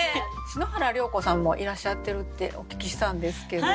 篠原涼子さんもいらっしゃってるってお聞きしたんですけど。